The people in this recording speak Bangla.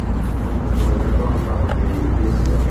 অন্তঃপুরে ইহাতে অনেক আপত্তি উঠিয়াছিল।